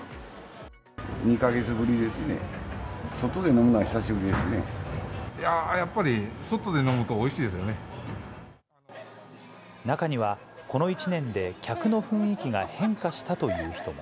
２か月ぶりですね、外で飲んやっぱり外で飲むとおいしい中には、この１年で客の雰囲気が変化したという人も。